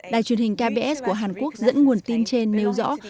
đài truyền hình kbs của hàn quốc dẫn nguồn tin trên nêu rõ